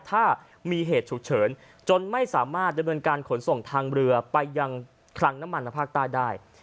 ถ้ามีเหตุฉุกเฉินจนไม่สามารถดำเนินการขนส่งทางเรือไปยังคลังน้ำมันในภาคใต้ได้